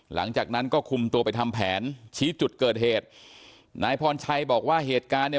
หลังจากนั้นก็คุมตัวไปทำแผนชี้จุดเกิดเหตุนายพรชัยบอกว่าเหตุการณ์เนี่ย